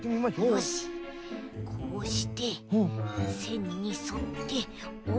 よしこうしてせんにそっておる。